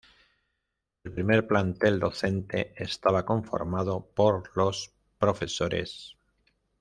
El primer plantel docente estaba conformado por los Prof.